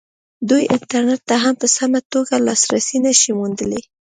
دوی انټرنېټ ته هم په سمه توګه لاسرسی نه شي موندلی.